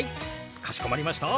かしこまりました。